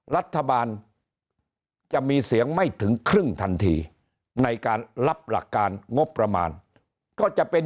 รัฐบาลจะมีเสียงไม่ถึงครึ่งทันทีในการรับหลักการงบประมาณก็จะเป็น